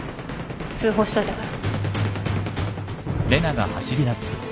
通報しといたから。